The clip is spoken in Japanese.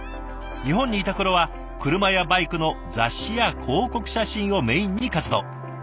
日本にいた頃は車やバイクの雑誌や広告写真をメインに活動。